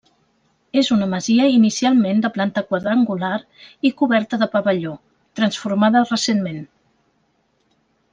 És una masia inicialment de planta quadrangular i coberta de pavelló, transformada recentment.